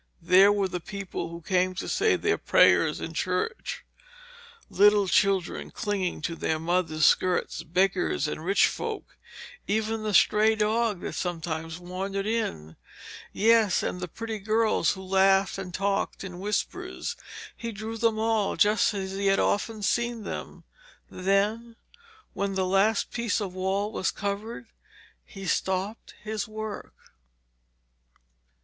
There were the people who came to say their prayers in church, little children clinging to their mothers' skirts, beggars and rich folks, even the stray dog that sometimes wandered in. Yes, and the pretty girls who laughed and talked in whispers. He drew them all, just as he had often seen them. Then, when the last piece of wall was covered, he stopped his work.